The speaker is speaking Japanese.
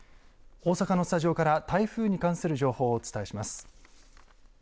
大阪のスタジオから台風に関する情報をお伝えします。